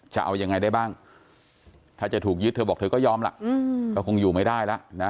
จะเอายังไงได้บ้างถ้าจะถูกยึดเธอบอกเธอก็ยอมล่ะก็คงอยู่ไม่ได้แล้วนะ